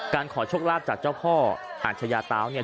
ขอโชคลาภจากเจ้าพ่ออาชญาตาวเนี่ย